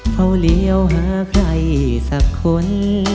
เขาเลี้ยวหาใครสักคน